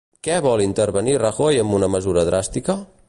Què vol intervenir Rajoy amb una mesura dràstica?